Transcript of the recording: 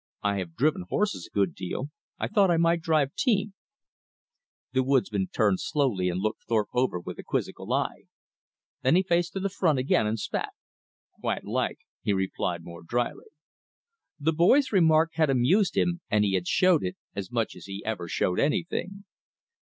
"I have driven horses a good deal; I thought I might drive team." The woodsman turned slowly and looked Thorpe over with a quizzical eye. Then he faced to the front again and spat. "Quite like," he replied still more dryly. The boy's remark had amused him, and he had showed it, as much as he ever showed anything.